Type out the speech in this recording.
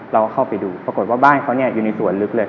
เราก็เข้าไปดูปรากฏว่าบ้านเขาอยู่ในสวนลึกเลย